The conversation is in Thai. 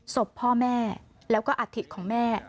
ศพพ่อแม่แล้วก็อัฐิของแม่